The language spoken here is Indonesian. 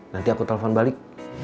nanti aku telfon balik